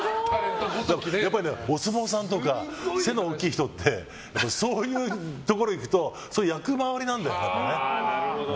お相撲さんとか背の大きい人ってそういうところに行くとそういう役回りなんだよね。